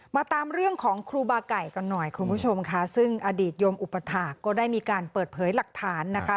มาตามเรื่องของครูบาไก่กันหน่อยคุณผู้ชมค่ะซึ่งอดีตโยมอุปถาคก็ได้มีการเปิดเผยหลักฐานนะคะ